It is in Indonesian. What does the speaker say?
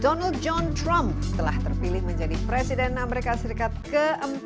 donald john trump telah terpilih menjadi presiden amerika serikat ke empat puluh